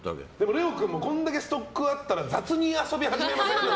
レオ君もこれだけストックあったら雑に遊び始めますよ。